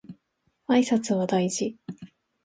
挨拶は大事